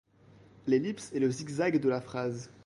L'ellipse est le zigzag de la phrase.